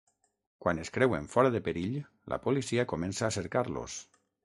Quan es creuen fora de perill, la policia comença a cercar-los.